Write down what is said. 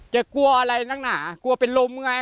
กลัวอะไรนักหนากลัวเป็นลมไง